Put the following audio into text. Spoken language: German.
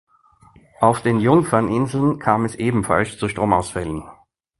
Auf den Jungferninseln kam es ebenfalls zu Stromausfällen.